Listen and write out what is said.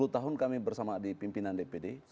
sepuluh tahun kami bersama di pimpinan dpd